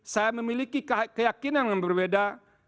saya memiliki keyakinan yang berbeda